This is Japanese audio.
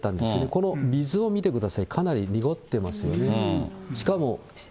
この水を見てください、かなり濁ってますよね。